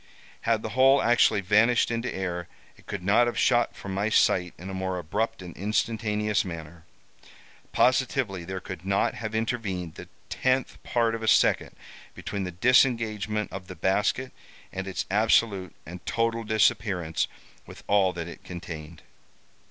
Had the whole actually vanished into air, it could not have shot from my sight in a more abrupt and instantaneous manner. Positively, there could not have intervened the tenth part of a second between the disengagement of the basket and its absolute and total disappearance with all that it contained.